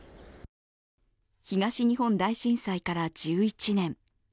東日本大震災から１１年。